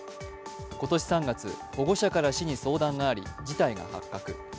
今年３月、保護者から市に相談があり事態が発覚。